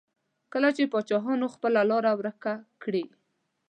کله چې پاچاهان خپله لاره ورکه کړي.